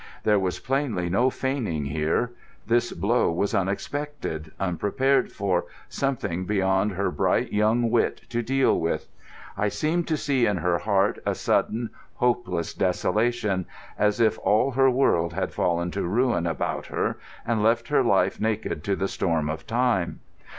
There was plainly no feigning here. This blow was unexpected, unprepared for, something beyond her bright young wit to deal with. I seemed to see in her heart a sudden, hopeless desolation, as if all her world had fallen to ruin about her and left her life naked to the storm of time.